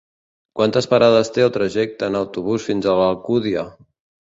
Quantes parades té el trajecte en autobús fins a l'Alcúdia?